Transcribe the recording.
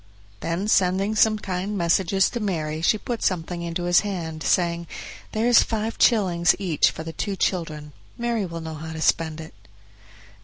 Then sending some kind messages to Mary she put something into his hand, saying, "There is five shillings each for the two children; Mary will know how to spend it."